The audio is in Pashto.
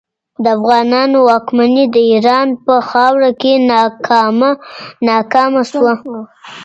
د افغانانو واکمني د ایران په خاوره کې ناکامه شوه.